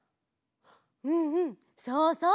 うんうんそうそう！